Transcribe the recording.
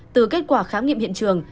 từ kết quả khám nghiệm hiện trường